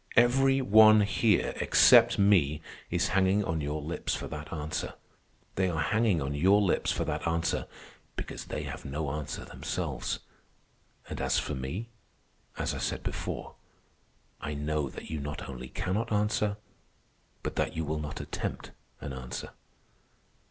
Every one here, except me, is hanging on your lips for that answer. They are hanging on your lips for that answer because they have no answer themselves. As for me, as I said before, I know that you not only cannot answer, but that you will not attempt an answer."